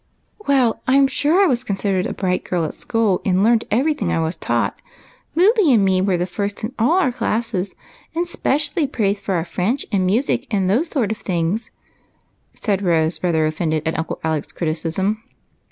" Well, I 'm sure I was considered a bright girl at school, and learned every thing I was taught. Luly and me were the first in all our classes, and 'specially praised for our French and music and those sort of things," said Rose, rather offended at Uncle Alec's criticism.